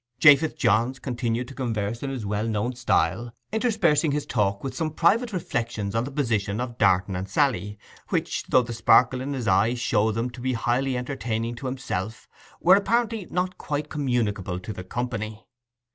Japheth Johns continued to converse in his well known style, interspersing his talk with some private reflections on the position of Darton and Sally, which, though the sparkle in his eye showed them to be highly entertaining to himself, were apparently not quite communicable to the company.